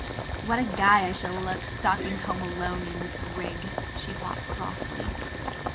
"What a guy I shall look, stalking home alone in this rig," she thought crossly.